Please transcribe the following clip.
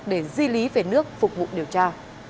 để di lý về nước phục vụ điều tra